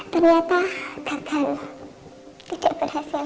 ternyata bahkan tidak berhasil